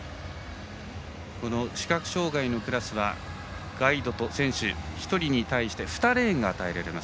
視覚障がいのクラスはガイドと選手、１人に対して２レーンが与えられます。